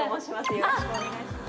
よろしくお願いします。